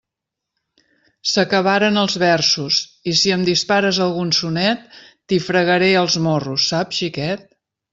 S'acabaren els versos; i si em dispares algun sonet, t'hi fregaré els morros, saps xiquet?